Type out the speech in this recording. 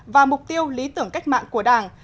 và mục tiêu lý tưởng cách mạng của đảng